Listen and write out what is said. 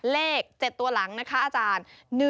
เลข๗ตัวหลังนะคะอาจารย์